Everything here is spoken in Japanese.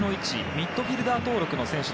ミッドフィールダー登録の選手。